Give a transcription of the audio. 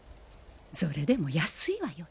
それでも安いわよ